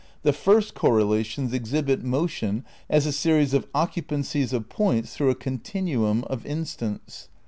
The first correlations exhibit motion as a series of occupancies of points through a continuum of instants.